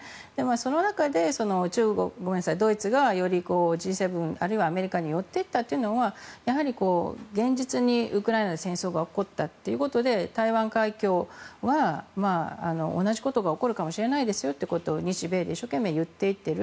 その中で、ドイツがよりＧ７あるいはアメリカに寄っていったというのはやはり、現実にウクライナで戦争が起こったということで台湾海峡は同じことが起こるかもしれないですよということを日米で一生懸命言っていっている。